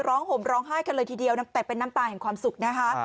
ห่มร้องไห้กันเลยทีเดียวแต่เป็นน้ำตาแห่งความสุขนะคะ